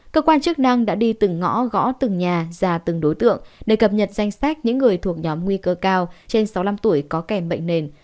cơ quan chức năng đã đi từng ngõ gõ từng nhà già từng đối tượng để cập nhật danh sách những người thuộc nhóm nguy cơ cao trên sáu mươi năm tuổi có kèm bệnh nền